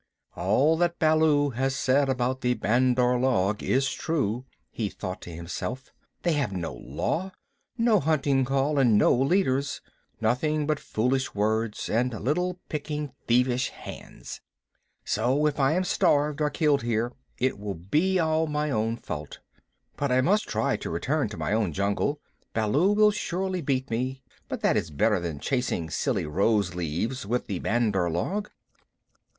"All that Baloo has said about the Bandar log is true," he thought to himself. "They have no Law, no Hunting Call, and no leaders nothing but foolish words and little picking thievish hands. So if I am starved or killed here, it will be all my own fault. But I must try to return to my own jungle. Baloo will surely beat me, but that is better than chasing silly rose leaves with the Bandar log."